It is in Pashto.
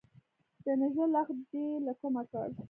د نږه لغت دي له کومه کړ.